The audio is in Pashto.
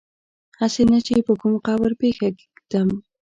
هسي نه چي په کوم قبر پښه کیږدم